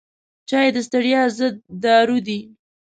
چای د ستړیا ضد دارو دی.